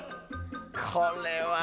これは。